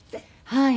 はい。